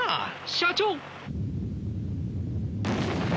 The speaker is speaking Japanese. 社長！